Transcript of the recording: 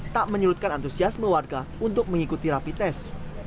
tak menyurutkan antusiasme warga untuk mengikuti rapi tes